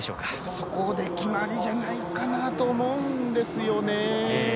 そこで決まりじゃないかなと思うんですよね。